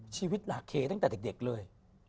ชีวิตลาเคตั้งแต่เด็กเลย